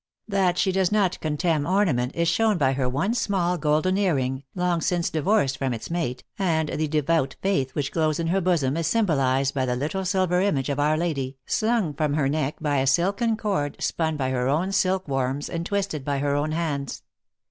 That she does not contemn ornament, is shown by her one small golden ear ring, long since divorced from its mate, and the devout faith which glows in her bosom is symbolized by the little silver image of our lady, slung from her neck by a silken cord, spun by her own silk worms, and twisted by her own hands.